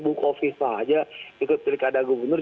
bukovic saja ikut pilih kada gubernur